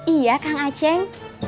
iya kang aceh